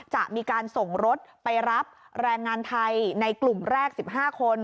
จะมีการส่งรถไปรับแรงงานไทยในกลุ่มแรก๑๕คน